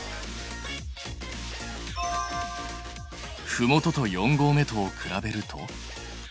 ふもとと四合目とを比べると？